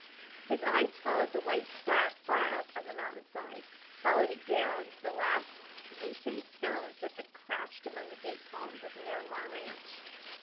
His eyes followed the white scar far up on the mountainside, followed it down to the last loosened stones that had crashed among the date palms of Miramar ranch.